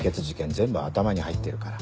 全部頭に入ってるから。